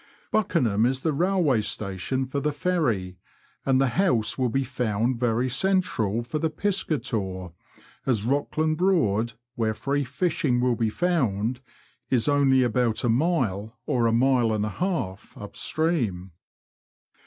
Buckenham is the railway station for the ferry, and the house will be found very central for the piscator, as Eockland Broad, where free fishing will be found, is only about a mile or a mile and a half up stream.